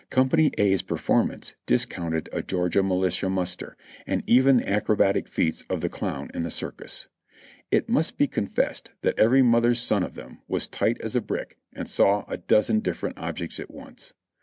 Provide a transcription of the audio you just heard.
Company A's performance discounted a Georgia militia muster, or even the acrobatic feats of the clown in the circus. It must be confessed that every mother's son of them was tight as a brick and saw a dozen differ ent objects at once.